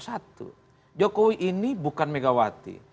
satu jokowi ini bukan megawati